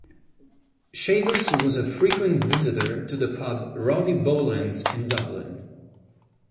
Shavers was a frequent visitor to the pub "Roddy Bolands" in Dublin.